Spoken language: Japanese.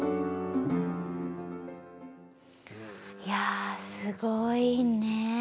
いやすごいね。